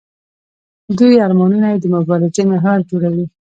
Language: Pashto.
دوی ارمانونه یې د مبارزې محور جوړوي.